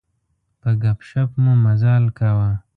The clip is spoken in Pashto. په ګپ شپ مو مزال کاوه.